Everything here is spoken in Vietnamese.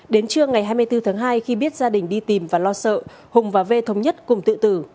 đến trưa ngày hai mươi bốn tháng hai khi biết gia đình đi tìm và lo sợ hùng và v thống nhất cùng tự tử